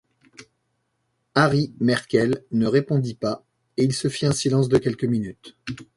Harry Markel ne répondit pas, et il se fit un silence de quelques minutes.